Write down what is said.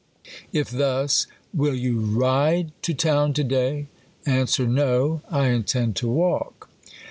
If thus ; Will you ride to town to day ? Answer, No; T intend to walk.